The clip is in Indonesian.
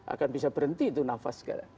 akan bisa berhenti itu nafas segala